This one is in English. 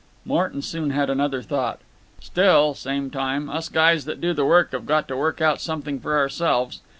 "Huh! huh!" Morton soon had another thought. "Still, same time, us guys that do the work have got to work out something for ourselves.